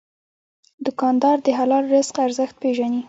دوکاندار د حلال رزق ارزښت پېژني.